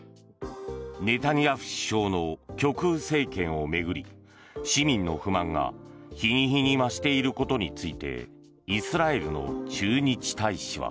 ネタニヤフ首相の極右政権を巡り市民の不満が日に日に増していることについてイスラエルの駐日大使は。